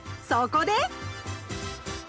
そこで！